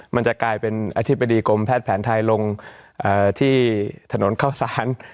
มันจะกลายเป็นอธิบดีกรมแพทย์แผนไทยลงที่ถนนเข้าสาร